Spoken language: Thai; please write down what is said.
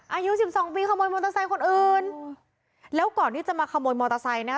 อายุสิบสองปีขโมยมอเตอร์ไซค์คนอื่นแล้วก่อนที่จะมาขโมยมอเตอร์ไซค์นะ